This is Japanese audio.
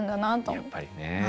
やっぱりねえ。